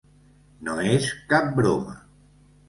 No és cap broma.